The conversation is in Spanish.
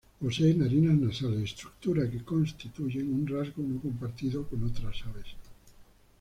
Posee narinas nasales, estructuras que constituyen un rasgo no compartido con otra ave.